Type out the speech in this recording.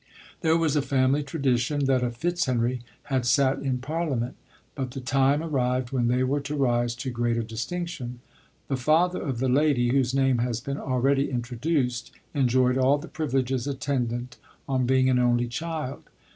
There was a family tradition, that a Fitz henry had satin parliament; but the time ar rived, when they were to rise to greater dis tinction. The father of the lady, whose name has been already introduced, enjoyed all the privileges attendant on being an only child.